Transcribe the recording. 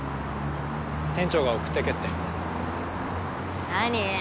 店長が送ってけって何？